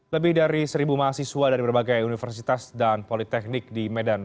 lebih dari seribu mahasiswa dari berbagai universitas dan politeknik di medan